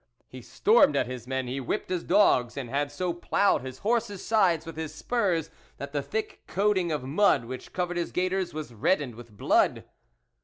He stormed at his men, he whipped his dogs, and had so ploughed his horse's sides with his spurs, that the thick coat ing of mud which covered his gaiters was reddened with blood.